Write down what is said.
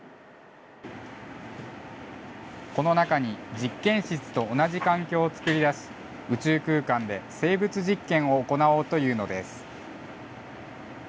この中に実験室と同じ環境を作り出し、宇宙空間で生物実験を行おうというのです。